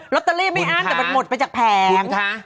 รอตเตอรี่ไม่อั้นแต่มดไปจากแผงมดท้ามดท้า